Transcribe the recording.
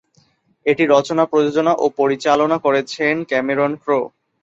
এটি রচনা, প্রযোজনা ও পরিচালনা করেছেন ক্যামেরন ক্রো।